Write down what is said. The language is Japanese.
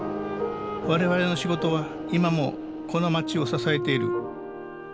我々の仕事は今もこの街を支えている。